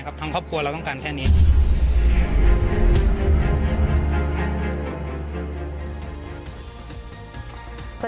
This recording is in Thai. มีความรู้สึกว่าเสียใจ